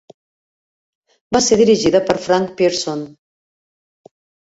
Va ser dirigida per Frank Pierson.